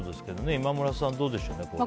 今村さん、どうでしょう、これは。